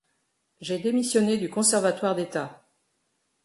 J'ai démissionné du Conservatoire d'État.